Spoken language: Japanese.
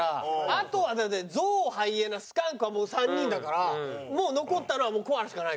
あとはだってゾウハイエナスカンクはもう３人だからもう残ったのはもうコアラしかないから。